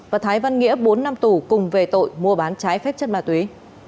và thái văn nghĩa bốn năm tù cùng về tội mua bán trái phép chất ma túy